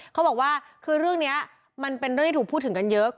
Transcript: เขาบอกว่าคือเรื่องนี้มันเป็นเรื่องที่ถูกพูดถึงกันเยอะ